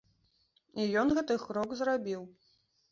І ён гэты крок зрабіў.